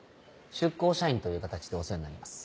出向社員という形でお世話になります。